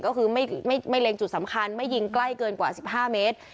ก็คือไม่เล็งจุดสำคัญไม่ยิงใกล้เกินกว่า๑๕เมตร